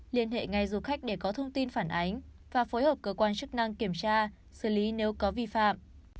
liên hệ ngay du khách để có thông tin phản ánh và phối hợp cơ quan chức năng kiểm tra xử lý nếu có vi phạm